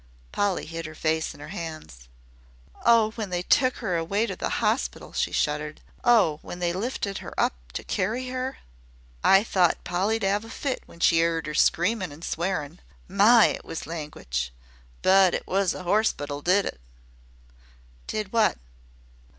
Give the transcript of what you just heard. Polly hid her face in her hands. "Oh, when they took her away to the hospital!" she shuddered. "Oh, when they lifted her up to carry her!" "I thought Polly 'd 'ave a fit when she 'eard 'er screamin' an' swearin'. My! it was langwich! But it was the 'orspitle did it." "Did what?"